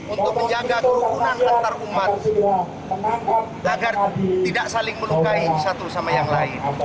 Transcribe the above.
untuk menjaga kerukunan antarumat agar tidak saling melukai satu sama yang lain